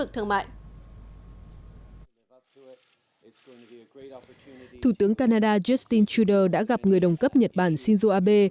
thủ tướng canada justin trudeau đã gặp người đồng cấp nhật bản shinzo abe